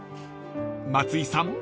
［松井さん